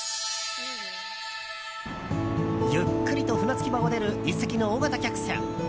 ゆっくりと船着き場を出る１隻の大型客船。